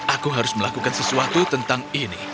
aku harus melakukan sesuatu tentang ini